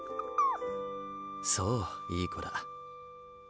そういい子だ。